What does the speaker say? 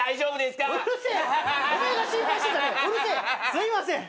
すいません。